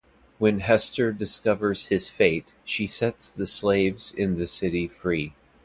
When Hester discovers his fate she sets the slaves in the city free.